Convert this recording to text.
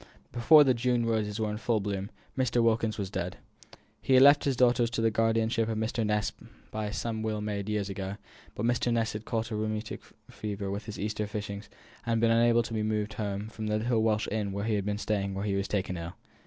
Before the June roses were in full bloom, Mr. Wilkins was dead. He had left his daughter to the guardianship of Mr. Ness by some will made years ago; but Mr. Ness had caught a rheumatic fever with his Easter fishings, and been unable to be moved home from the little Welsh inn where he had been staying when he was taken ill.